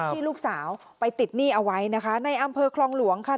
ที่ลูกสาวไปติดหนี้เอาไว้นะคะในอำเภอคลองหลวงค่ะ